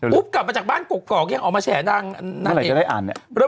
ลืมโชว์ของน้ำ